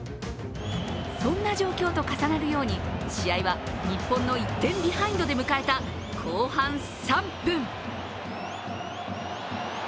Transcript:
そんな状況と重なるように試合は日本の１点ビハインドで迎えた後半３分。